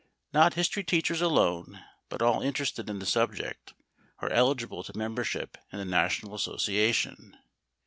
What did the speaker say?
Not history teachers alone, but all interested in the subject, are eligible to membership in the national association.